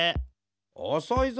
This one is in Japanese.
おそいぞ。